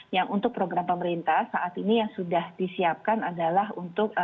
yang untuk program pemerintah saat ini yang sudah disiapkan adalah untuk